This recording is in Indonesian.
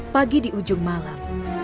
pagi di ujung malam